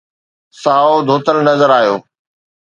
سائو ڌوتل نظر آيو